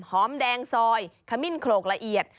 หอมแดงซอยขมิ้นโขลกละเอียด